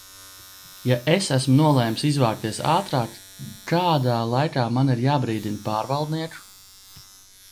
Ja es esmu nolēmis izvākties ātrāk, kādā laikā man ir jābrīdina pārvaldnieku?